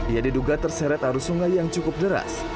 ia diduga terseret arus sungai yang cukup deras